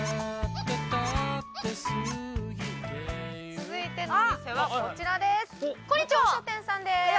続いてのお店はこちらです。